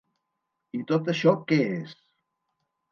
I tot això què és?